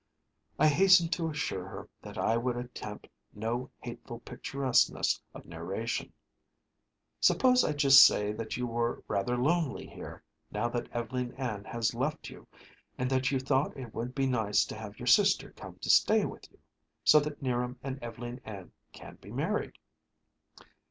I hastened to assure her that I would attempt no hateful picturesqueness of narration. "Suppose I just say that you were rather lonely here, now that Ev'leen Ann has left you, and that you thought it would be nice to have your sister come to stay with you, so that 'Niram and Ev'leen Ann can be married?"